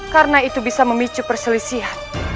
karena itu bisa memicu perselisihan